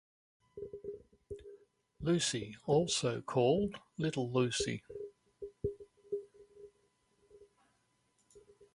Lucy also called Little Lucy.